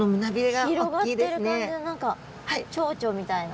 広がってる感じで何かチョウチョみたいな。